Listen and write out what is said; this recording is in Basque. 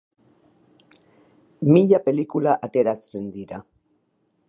Mila pelikula ateratzen dira.